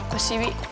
kok sih bi